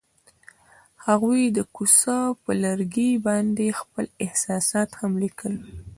هغوی د کوڅه پر لرګي باندې خپل احساسات هم لیکل.